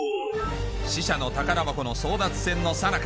死者の宝箱の争奪戦のさなか